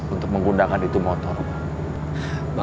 untuk menggunakan itu motor pak